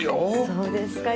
そうですか。